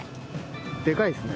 でかいですね。